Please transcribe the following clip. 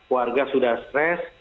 warga sudah stres